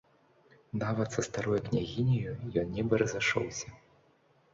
Нават са старою княгіняю ён нібы разышоўся.